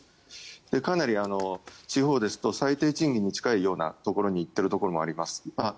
かなり地方ですと最低賃金に近いようなところに行っているところもあります。